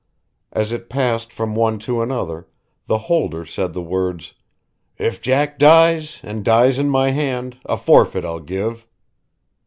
As it passed from one to another the holder said the words: "If Jack dies and dies in my hand a forfeit I'll give."